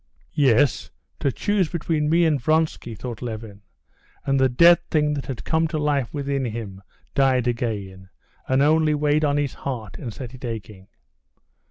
'" "Yes, to choose between me and Vronsky," thought Levin, and the dead thing that had come to life within him died again, and only weighed on his heart and set it aching.